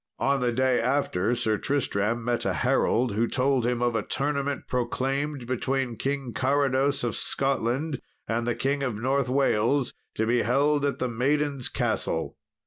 On the day after, Sir Tristram met a herald, who told him of a tournament proclaimed between King Carados of Scotland, and the King of North Wales, to be held at the Maiden's Castle.